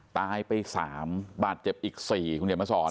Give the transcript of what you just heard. ตายไป๓บาทเจ็บอีก๔คุณเขียนมาสอน